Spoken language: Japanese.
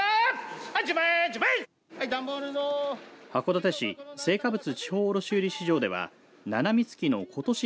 函館市青果物地方卸売市場ではななみつきのことし